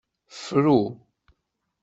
Fru.